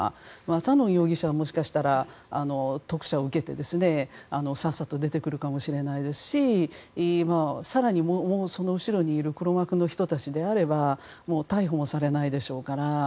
サノン容疑者はもしかしたら、特赦を受けてさっさと出てくるかもしれないですし更に、その後ろにいる黒幕の人たちであれば逮捕もされないでしょうから。